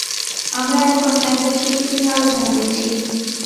আমরা এখন, একদল শিশুকে নিয়ে আলোচনা করছি।